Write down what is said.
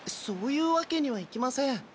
そういうわけにはいきません。